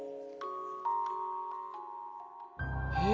え。